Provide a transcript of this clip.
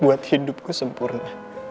buat hidupku sempurna